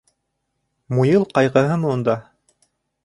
Муйыл ҡайғыһымы унда!